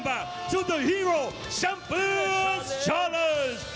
รับทรงนั้นกันกันในมีชัมเปียสชัมเปียส